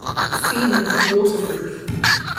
Seaman of Waterproof.